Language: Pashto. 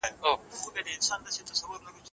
شاعر باید کوم ډول کلمات وکاروي؟